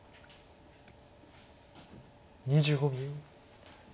２５秒。